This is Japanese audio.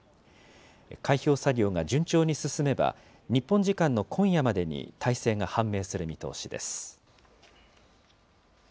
開票作業が順調に進めば、日本時間の今夜までに大勢が判明する見通しです。